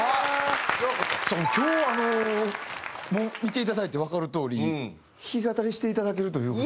さあ今日はもう見ていただいてわかるとおり弾き語りしていただけるという。